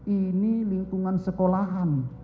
ini lingkungan sekolahan